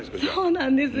そうなんです。